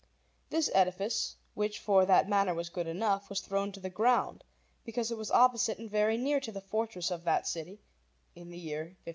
This edifice, which for that manner was good enough, was thrown to the ground, because it was opposite and very near to the fortress of that city, in the year 1533.